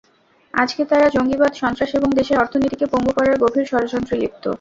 আজকে তারা জঙ্গিবাদ, সন্ত্রাস এবং দেশের অর্থনীতিকে পঙ্গু করার গভীর ষড়যন্ত্রে লিপ্ত।